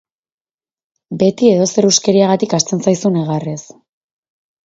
Beti edozer huskeriagatik hasten zaizu negarrez.